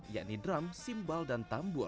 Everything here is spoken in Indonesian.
yakni drum simbol dan tambor